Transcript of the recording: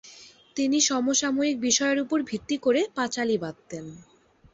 তিনি সমসাময়িক বিষয়ের উপর ভিত্তি করে পাঁচালি বাঁধতেন।